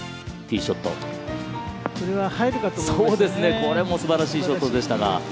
これもすばらしいショットでしたが。